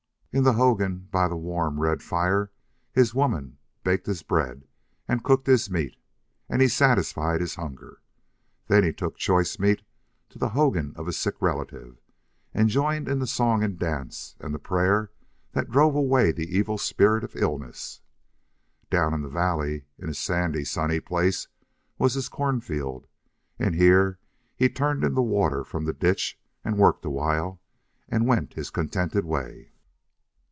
In the hogan by the warm, red fire his women baked his bread and cooked his meat. And he satisfied his hunger. Then he took choice meat to the hogan of a sick relative, and joined in the song and the dance and the prayer that drove away the evil spirit of illness. Down in the valley, in a sandy, sunny place, was his corn field, and here he turned in the water from the ditch, and worked awhile, and went his contented way.